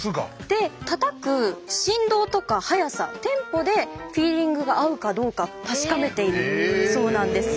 たたく振動とか速さテンポでフィーリングが合うかどうか確かめているそうなんです。